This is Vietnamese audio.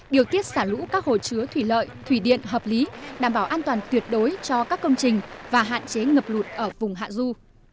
điều tiết xả lũ các hồ chứa thủy lợi thủy điện hợp lý đảm bảo an toàn tuyệt đối cho các công trình và hạn chế ngập lụt ở vùng hạ du